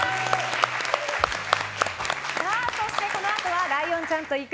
そしてこのあとはライオンちゃんと行く！